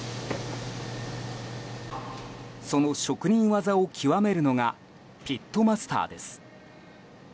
その職人技を極めるのがピットマスターです。